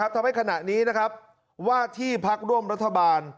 ทำให้ขณะนี้ว่าที่พักร่วมรัฐบาล